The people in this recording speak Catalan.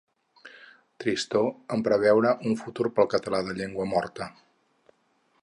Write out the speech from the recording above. Tristor en preveure un futur pel català de llengua “morta” .